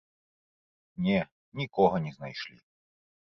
Не, нікога не знайшлі.